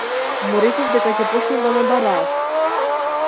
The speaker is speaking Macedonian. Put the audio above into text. Му реков дека ќе почнат да ме бараат.